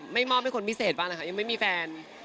มอบให้คนพิเศษบ้างนะคะยังไม่มีแฟน